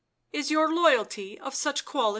" Is your loyalty of such quality?"